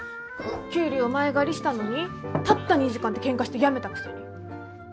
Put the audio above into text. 給料前借りしたのにたった２時間でケンカして辞めたくせに。